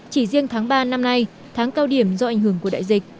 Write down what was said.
chỉ riêng tháng ba năm nay tháng cao điểm do ảnh hưởng của đại dịch